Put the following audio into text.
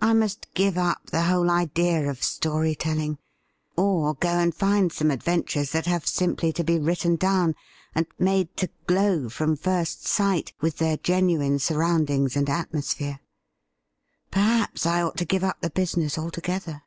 I must give up the whole idea of story telling, or go and find some adventures that have simply to be written down and made to glow from first sight with their genuine sur roundings and atmosphere. Perhaps I ought to give up the business altogether.